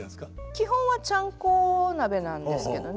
基本はちゃんこ鍋なんですけどね。